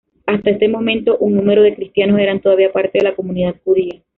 Hasta este momento, un número de cristianos eran todavía parte de la comunidad judía.